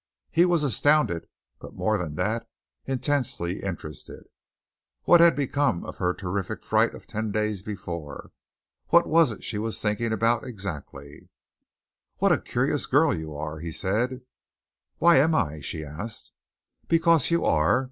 He was astounded, but more than that, intensely interested. What had become of her terrific fright of ten days before? What was it she was thinking about exactly? "What a curious girl you are," he said. "Why am I?" she asked. "Because you are.